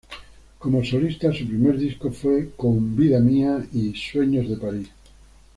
Como solista su primer disco fue con "Vida mía" y "Sueños de París".